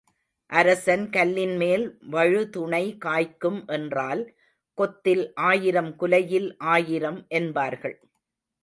அரசன் கல்லின்மேல் வழுதுணை காய்க்கும் என்றால் கொத்தில் ஆயிரம் குலையில் ஆயிரம் என்பார்கள்.